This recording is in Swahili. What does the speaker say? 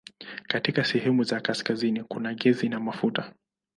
Katika sehemu za kaskazini kuna gesi na mafuta.